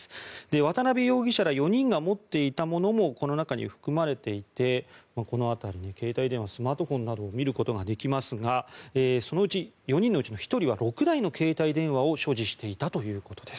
渡邉容疑者ら４人が持っていたものもこの中に含まれていてこの辺りに携帯電話スマートフォンなどを見ることができますがそのうち、４人のうちの１人が６台の携帯電話を所持していたということです。